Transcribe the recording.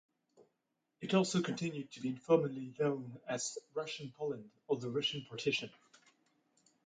It also continued to be informally known as Russian Poland or the Russian partition.